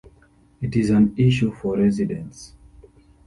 It is an issue for residents.